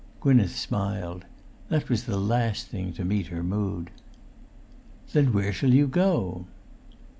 Gwynneth smiled. That was the last thing to meet her mood. "Then where shall you go?"